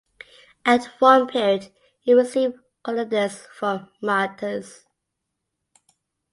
At one period it received colonists from Miletus.